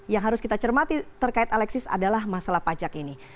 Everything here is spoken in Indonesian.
yang harus kita cermati terkait alexis adalah masalah pajak ini